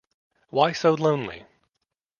Why So Lonely?